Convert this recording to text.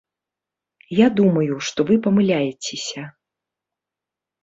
Я думаю, што вы памыляецеся.